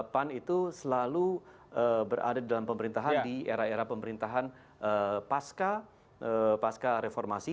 pan itu selalu berada di dalam pemerintahan di era era pemerintahan pasca reformasi